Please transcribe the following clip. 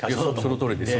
そのとおりです。